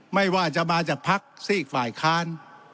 ไม่ว่าจะมาจากพักซีกฝ่ายค้าน